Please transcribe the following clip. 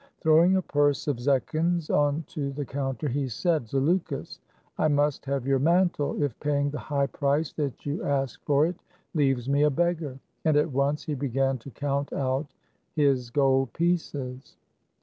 Throwing a purse of zechins on to the counter, he said, "Zaleukos, I must have your mantle, if paying the high price that you ask for it leaves me a beggar." And at once he began to count out his gold pieces.